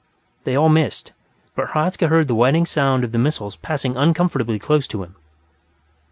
They all missed, but Hradzka heard the whining sound of the missiles passing uncomfortably close to him.